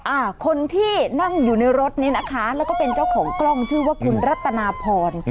อ่าคนที่นั่งอยู่ในรถนี้นะคะแล้วก็เป็นเจ้าของกล้องชื่อว่าคุณรัตนาพร